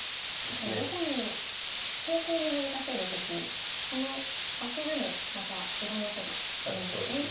確かにどこに方向も難しいですしその場所でもまたいろんな手がありますね。